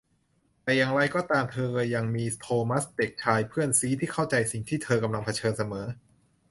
แต่อย่างไรก็ตามเธอยังมี โธมัส เด็กชายเพื่อนซี้ที่เข้าใจสิ่งที่เธอกำลังเผชิญเสมอ